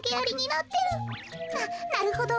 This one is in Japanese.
ななるほど。